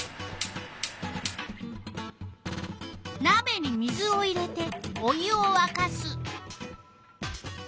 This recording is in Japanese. なべに水を入れてお湯をわかす。